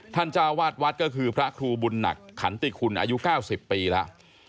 จ้าวาดวัดก็คือพระครูบุญหนักขันติคุณอายุ๙๐ปีแล้ว